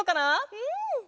うん！